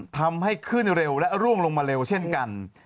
ทำให้ขึ้นเร็วและร่วงลงมาเร็วเช่นกัน